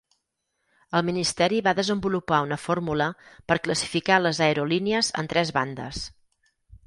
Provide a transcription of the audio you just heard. El ministeri va desenvolupar una fórmula per classificar les aerolínies en tres bandes.